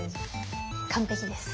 完璧です！